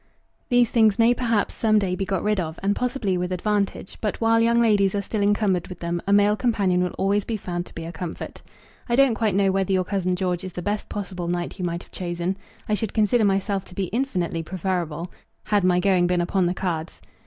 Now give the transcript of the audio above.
These things may perhaps some day be got rid of, and possibly with advantage; but while young ladies are still encumbered with them a male companion will always be found to be a comfort. I don't quite know whether your cousin George is the best possible knight you might have chosen. I should consider myself to be infinitely preferable, had my going been upon the cards.